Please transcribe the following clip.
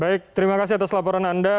baik terima kasih atas laporan anda